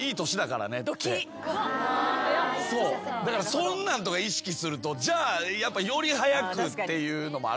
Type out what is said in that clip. そんなんとか意識するとじゃあより早くっていうのもあるじゃないですか。